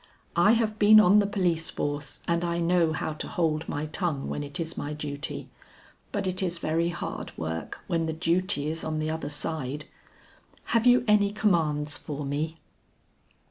"I have been on the police force and I know how to hold my tongue when it is my duty, but it is very hard work when the duty is on the other side. Have you any commands for me?"